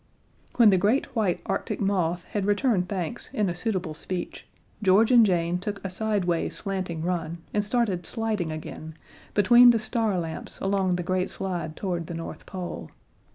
When the great white Arctic moth had returned thanks in a suitable speech, George and Jane took a sideways slanting run and started sliding again, between the star lamps along the great slide toward the North Pole.